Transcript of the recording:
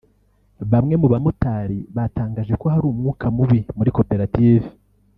Bamwe mu bamotari batangaje ko hari umwuka mubi muri Koperative